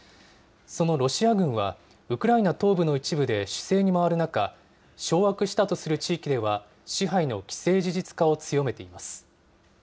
そのロシア軍は、ウクライナ東部の一部で守勢に回る中、掌握したとする地域では支配の既成事実化を強めています。